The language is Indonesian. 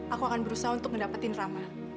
aku akan berusaha untuk mendapatin rama